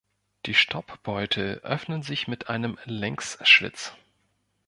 Die Staubbeutel öffnen sich mit einem Längsschlitz.